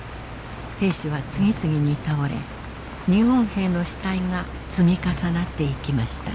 兵士は次々に倒れ日本兵の死体が積み重なっていきました。